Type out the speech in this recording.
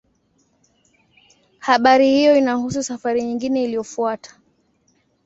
Habari hiyo inahusu safari nyingine iliyofuata.